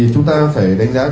chúng ta phải đánh giá